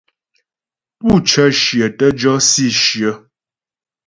Pú cə́ shyə tə́ jɔ si shyə.